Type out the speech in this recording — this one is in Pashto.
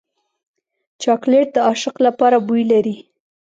چاکلېټ د عاشق لپاره بوی لري.